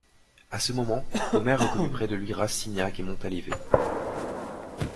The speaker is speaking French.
A ce moment, Omer reconnut près de lui Rastignac et Montalivet.